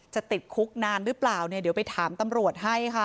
ติดคุกนานหรือเปล่าเนี่ยเดี๋ยวไปถามตำรวจให้ค่ะ